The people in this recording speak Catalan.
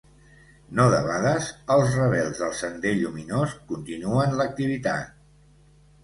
No debades, els rebels del Sender Lluminós continuen l'activitat.